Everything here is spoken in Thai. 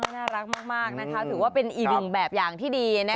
น่ารักมากนะคะถือว่าเป็นอีกหนึ่งแบบอย่างที่ดี